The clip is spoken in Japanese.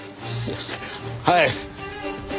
はい。